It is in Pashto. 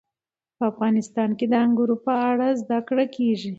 په افغانستان کې د انګورو په اړه زده کړه کېږي.